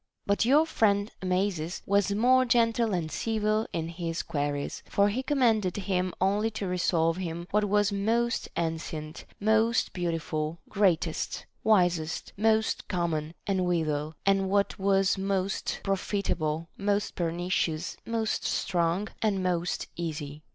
But your friend Amasis was more gentle and civil in his queries ; for he commanded him only lo resolve him what was most ancient, most beau tiful, greatest, wisest, most common, and withal, what was most profitable, most pernicious, most strong, and most easy.